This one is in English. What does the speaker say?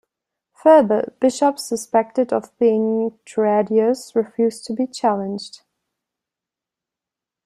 Further, bishops suspected of being traditores refused to be challenged.